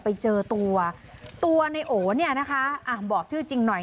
ไปเจอตัวตัวในโอเนี่ยนะคะอ่ะบอกชื่อจริงหน่อย